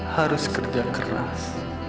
harus kerja keras